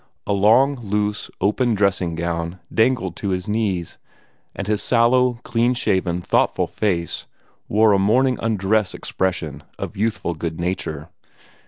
A long loose, open dressing gown dangled to his knees, and his sallow, clean shaven, thoughtful face wore a morning undress expression of youthful good nature.